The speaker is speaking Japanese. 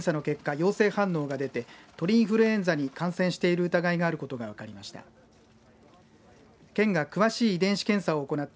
陽性反応が出て鳥インフルエンザに感染している疑いがあることが分かりました。